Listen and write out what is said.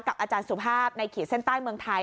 อาจารย์สุภาพในขีดเส้นใต้เมืองไทย